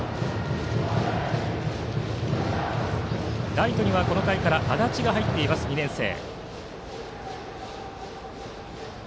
ライトにはこの回から足立が入っています、２年生。